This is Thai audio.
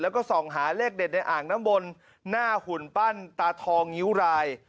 แล้วก็ส่องหาเลขเด็ดในอ่างน้ำบนหน้าหุ่นปั้นตาทองงิ้วราย